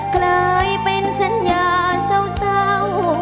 กลายเป็นสัญญาเศร้า